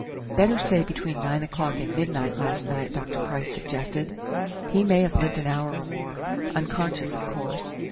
"Better say between nine o'clock and midnight last night," Dr. Price suggested. "He may have lived an hour or more unconscious, of course.